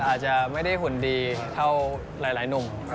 อาจจะไม่ได้หุ่นดีเท่าหลายหนุ่ม